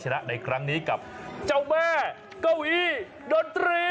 ในครั้งนี้กับเจ้าแม่เก้าอี้ดนตรี